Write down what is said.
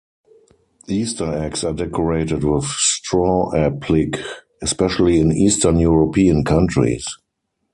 Easter eggs are decorated with straw applique, especially in Eastern European countries.